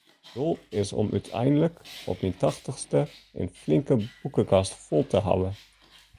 Myn doel is om úteinlik, op myn tachtichste, in flinke boekekast fol te hawwen.